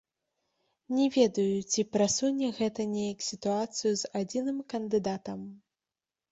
Не ведаю, ці прасуне гэта неяк сітуацыю з адзіным кандыдатам.